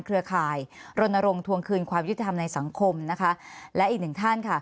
เครือข่ายโรนอารมณ์ทวงคืนความวิทยาธรรมในสังคมนะคะและอีก